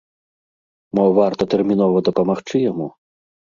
Мо, варта тэрмінова дапамагчы яму?